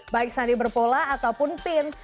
baik sandi berpola ataupun pin